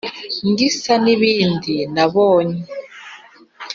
gisa n' ibindi nabonye